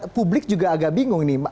publik juga agak bingung nih